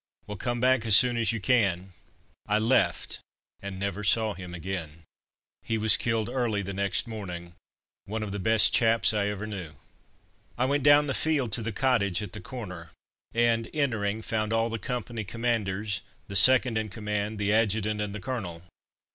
"Well, come back as soon as you can." I left, and never saw him again. He was killed early the next morning; one of the best chaps I ever knew. I went down the field to the cottage at the corner, and, entering, found all the company commanders, the second in command, the Adjutant and the Colonel.